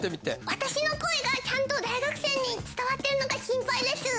私の声がちゃんと大学生に伝わってるのか心配です。